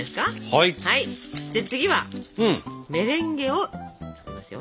はい次はメレンゲを作りますよ。